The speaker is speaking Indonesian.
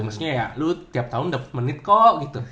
maksudnya ya lu tiap tahun dapet menit kok gitu